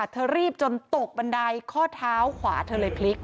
เธอรีบจนตกบันไดข้อเท้าขวาเธอเลยพลิก